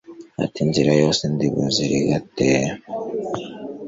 Ati Inzira yose ndi buzirigate